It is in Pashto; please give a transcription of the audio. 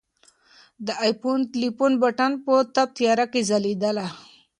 د آیفون ټلیفون بټن په تپ تیاره کې ځلېدله.